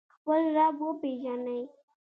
خپل رب وپیژنئ